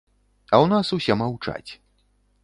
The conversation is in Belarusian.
А ў нас усе маўчаць.